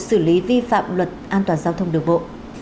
xử lý vi phạm luật an toàn giao thông đường bộ